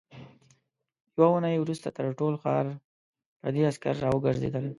يوه اوونۍ وروسته تر ټول ښار پردي عسکر راوګرځېدل.